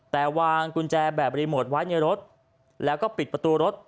แต่วางกุญแจแบบรีโมทไว้ในรถแล้วก็ปิดประตูรถ